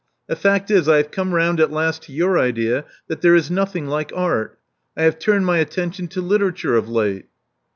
The fact is, I have come round at last to your idea that there is nothing like Art. I have turned my attention to literature of late."